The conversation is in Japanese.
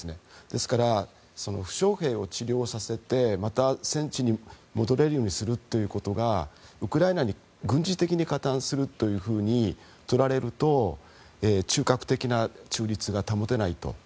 ですから負傷兵を治療させてまた、戦地に戻れるようにするということがウクライナに軍事的に加担するというふうに取られると中核的な中立が保てない。